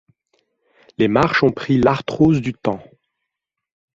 Les marches ont pris l’arthrose du temps.